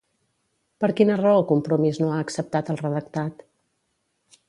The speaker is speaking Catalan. Per quina raó Compromís no ha acceptat el redactat?